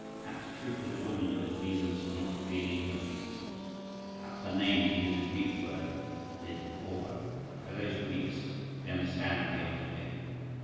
Perhaps truth is a woman who has reasons for not revealing her reasons?… Perhaps her name, to use a Greek word is Baubo?—Oh these Greeks, they understood the art of _living!